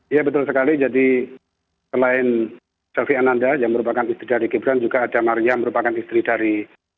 iya betul sekali jadi selain selvi ananda yang merupakan istri dari gibran juga ada maria merupakan istri dari